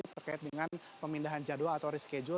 terkait dengan pemindahan jadwal atau reschedule